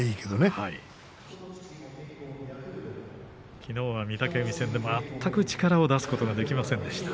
きのうは御嶽海戦で全く力を出すことができませんでした。